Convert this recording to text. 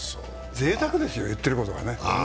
ぜいたくですよ、言っていることがね。